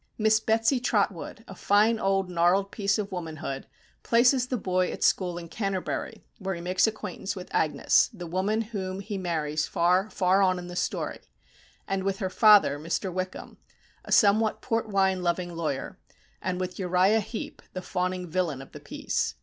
Miss Betsy Trotwood, a fine old gnarled piece of womanhood, places the boy at school at Canterbury, where he makes acquaintance with Agnes, the woman whom he marries far, far on in the story; and with her father, Mr. Wickham, a somewhat port wine loving lawyer; and with Uriah Heep, the fawning villain of the piece.